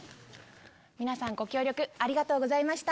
皆さんご協力ありがとうございました。